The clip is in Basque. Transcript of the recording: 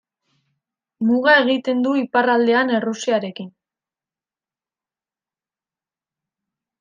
Muga egiten du iparraldean Errusiarekin.